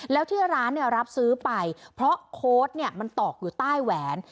แล้วที่ร้านเนี่ยรับซื้อไปเพราะโค้ดมันตอกอยู่ใต้แหวน